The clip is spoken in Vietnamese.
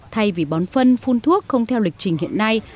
thay vì bón phân phun thuốc không theo lịch trình hiện nay